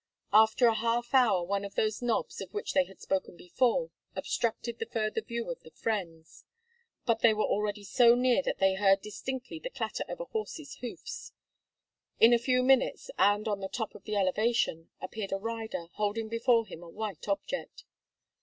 After a half hour one of those knobs, of which they had spoken before, obstructed the further view of the friends. But they were already so near that they heard distinctly the clatter of a horse's hoofs. In a few minutes, and on the top of the elevation, appeared a rider, holding before him a white object.